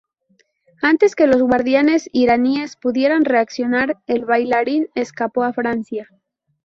Antes que los guardianes iraníes pudieran reaccionar, el bailarín escapó a Francia.